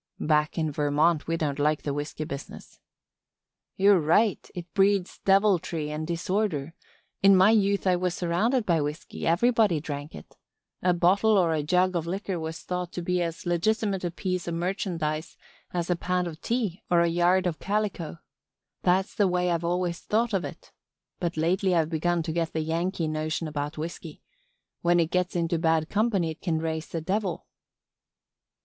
"Back in Vermont we don't like the whisky business." "You're right, it breeds deviltry and disorder. In my youth I was surrounded by whisky. Everybody drank it. A bottle or a jug of liquor was thought to be as legitimate a piece of merchandise as a pound of tea or a yard of calico. That's the way I've always thought of it. But lately I've begun to get the Yankee notion about whisky. When it gets into bad company it can raise the devil."